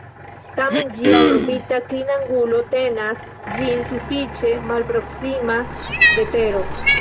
Tamen ĝia orbita klinangulo tenas ĝin sufiĉe malproksima de Tero.